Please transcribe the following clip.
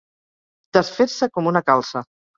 Desfer-se com una calça.